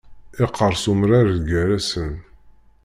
Iqqeṛṣ umrar gar-asen.